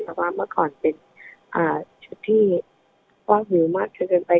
แต่ว่าเมื่อก่อนเป็นชุดที่ว่าหิวมากจนเกินไป